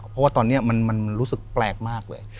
เพราะว่าตอนนี้มันรู้สึกแปลกมากเลย